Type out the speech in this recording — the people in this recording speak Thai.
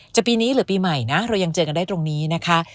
ปีนี้หรือปีใหม่นะเรายังเจอกันได้ตรงนี้นะคะ